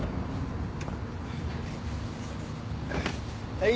はい。